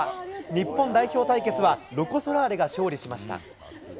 日本代表対決は、ロコ・ソラーレが勝利しました。